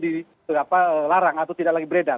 di larang atau tidak lagi beredar